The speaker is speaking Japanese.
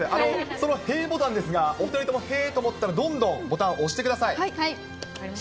その、へぇボタンですが、へぇと思ったら、どんどんボタン、押してください。